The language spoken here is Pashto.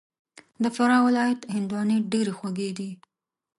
د فراه ولایت هندواڼې ډېري خوږي دي